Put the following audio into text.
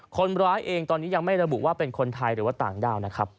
คนร้ายเองตอนนี้ยังไม่ระบุว่าเป็นคนไทยหรือว่าต่างด้าวนะครับ